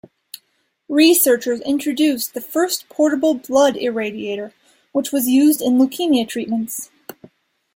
Researchers introduced the first portable blood irradiator, which was used in leukemia treatments.